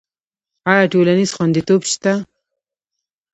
آیا ټولنیز خوندیتوب شته؟